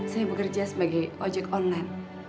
saya bekerja sebagai ojek online